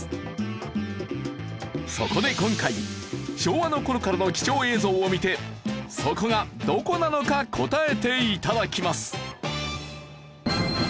そこで今回昭和の頃からの貴重映像を見てそこがどこなのか答えて頂きます。